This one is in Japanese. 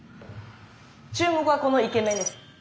注目はこのイケメンです。